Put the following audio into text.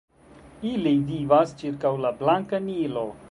Ili vivas ĉirkaŭ la Blanka Nilo.